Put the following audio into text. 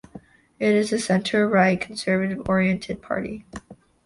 It is a centre-right, Conservative-oriented, party.